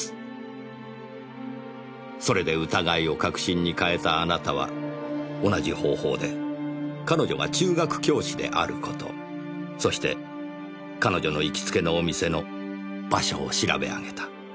それで疑いを確信に変えたあなたは同じ方法で彼女が中学教師である事そして彼女の行きつけのお店の場所を調べ上げた。